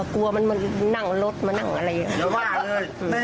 กลัวมันมานั่งรถมานั่งอะไรอย่าว่าเลย